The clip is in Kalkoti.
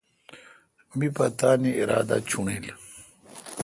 می پ تانی ارادا چݨیل۔